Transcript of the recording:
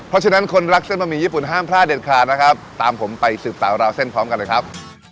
เพราะฉะนั้นคนรักเส้นบะหมี่ญี่ปุ่นห้ามพลาดเด็ดขาดนะครับตามผมไปสืบสาวราวเส้นพร้อมกันเลยครับ